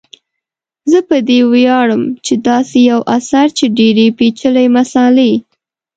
زه په دې ویاړم چي داسي یو اثر چي ډیري پیچلي مسالې